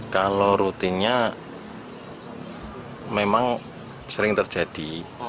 kalau rutinnya memang sering terjadi